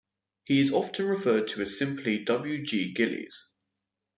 He is often referred to simply as W. G. Gillies.